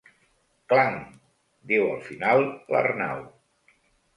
Clang —diu al final l'Arnau.